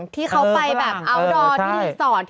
ที่เขาไปแบบอาวตรอดที่รีสอร์ต